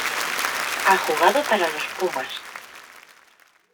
Ha jugado para los Pumas.